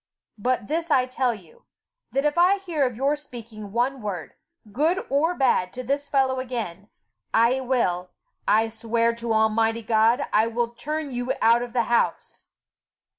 But this I tell you, that if I hear of your speaking one word, good or bad, to the fellow again, I will, I swear to Almighty God, I will turn you out of the house."